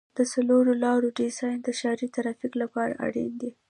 د څلور لارو ډیزاین د ښاري ترافیک لپاره اړین دی